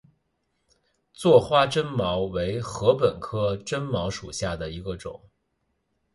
座花针茅为禾本科针茅属下的一个种。